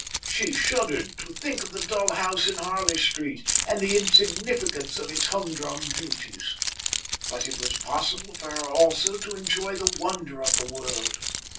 She shuddered to think of the dull house in Harley Street and the insignificance of its humdrum duties. But it was possible for her also to enjoy the wonder of the world.